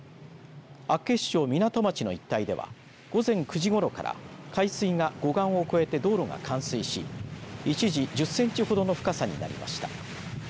厚岸町港町の一帯では午前９時ごろから海水が護岸を越えて道路が冠水し一時、１０センチほどの深さになりました。